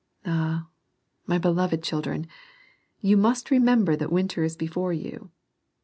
Ah, my beloved children, you must remember that winter is before you